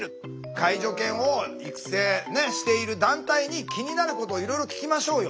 介助犬を育成している団体に気になることをいろいろ聞きましょうよ。